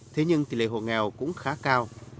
thế nhưng tỷ lệ hộ nghèo cũng khá cao